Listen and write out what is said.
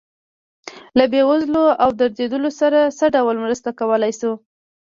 له بې وزلو او دردېدلو سره څه ډول مرسته کولی شو.